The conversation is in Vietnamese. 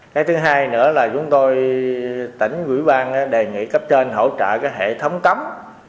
cái thứ hai nữa là chúng tôi tỉnh quỹ bang đề nghị cấp trên hỗ trợ cái hệ thống cống